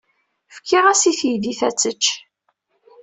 Fkiɣ-as i teydit ad tečč.